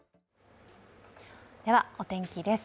ではお天気です。